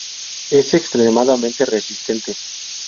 Es extremadamente resistente.